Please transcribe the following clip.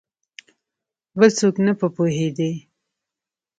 بل څوک نه په پوهېدی !